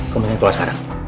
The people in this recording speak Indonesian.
kamu yang tolak sekarang